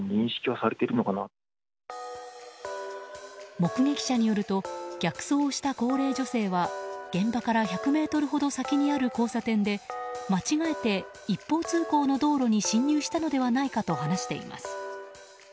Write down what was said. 目撃者によると逆走をした高齢女性は現場から１００ｍほど先にある交差点で間違えて一方通行の道路に進入したのではないかと話しています。